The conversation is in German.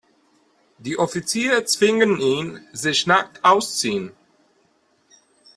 Die Offiziere zwingen ihn, sich nackt ausziehen.